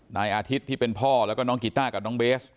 นายอาทิตย์ที่เป็นพ่อแล้วก็น้องกีต้ากับน้องเบส